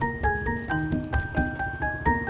abis itu tuh